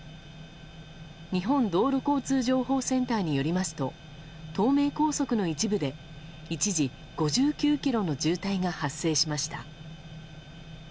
日本道路交通情報センターによりますと東名高速の一部で一時５９ｋｍの渋滞が発生しました。